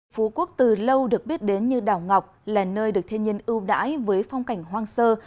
phú quốc từ lâu được biết đến như đảo ngọc là nơi được thiên nhiên ưu đãi với phong cảnh hoang sơ